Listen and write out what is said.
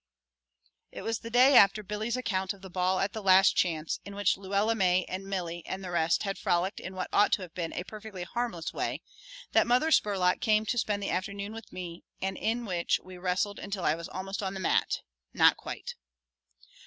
It was the day after Billy's account of the ball at the Last Chance, in which Luella May and Milly and the rest had frolicked in what ought to have been a perfectly harmless way, that Mother Spurlock came to spend the afternoon with me and in which we wrestled until I was almost on the mat not quite.